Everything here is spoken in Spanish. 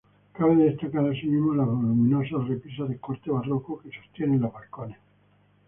Cabe destacar asimismo las voluminosas repisas de corte barroco que sostienen los balcones.